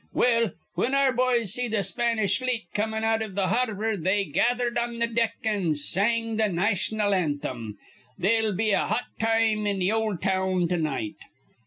"Well, whin our boys see th' Spanish fleet comin' out iv th' harbor, they gathered on th' deck an' sang th' naytional anthem, 'They'll be a hot time in th' ol' town to night.'